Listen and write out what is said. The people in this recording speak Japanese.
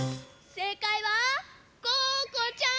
せいかいはここちゃん！